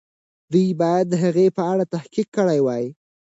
دوی باید د هغې په اړه تحقیق کړی وای.